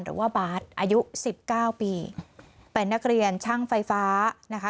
หรือว่าบาทอายุสิบเก้าปีเป็นนักเรียนช่างไฟฟ้านะคะ